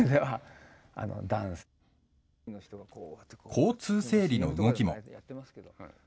交通整理の動きも。